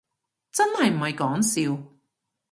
真係唔係講笑